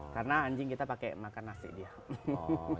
karena anjing kita pakai makan nasi dia